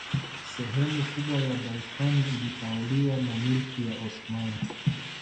Sehemu kubwa ya Balkani ilitawaliwa na milki ya Osmani